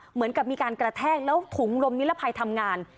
เหมือนกับมีการกระแทกแล้วถุงลมนิรภัยทำงาน